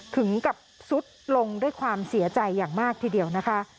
ถึงกับซุดลงด้วยความเสียใจอย่างมากทีเดียวนะคะ